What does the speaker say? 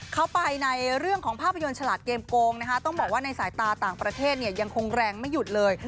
เข้าไปในเรื่องของภาพยนตร์ฉลาดเกมโกงนะคะต้องบอกว่าในสายตาต่างประเทศเนี่ยยังคงแรงไม่หยุดเลย